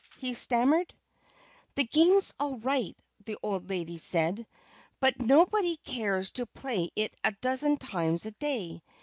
he stammered. "The game's all right," the old lady said. "But nobody cares to play it a dozen times a day.